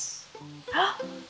あっ！